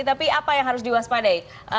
tapi apa yang harus diwaspadai